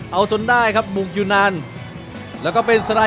เอาจนได้ครับบุกอยู่นาน